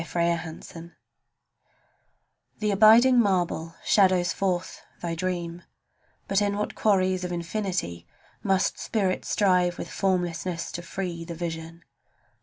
AITKEN SCULPTOR The abiding marble shadows forth thy dream; But in what quarries of infinity Must spirit strive with formlessness to free The vision?